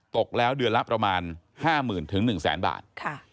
ตกแล้วเดือนละประมาณ๕หมื่นถึง๑แสนบาท